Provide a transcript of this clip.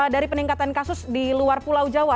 dari peningkatan kasus di luar pulau jawa